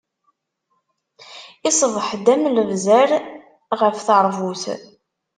Iṣbeḥ-d am lebzeṛ ɣef teṛbut.